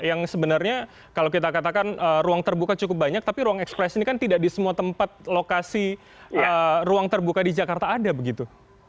yang sebenarnya kalau kita katakan ruang terbuka cukup banyak tapi ruang ekspres ini kan tidak di semua tempat lokasi ruang terbuka di jakarta ada begitu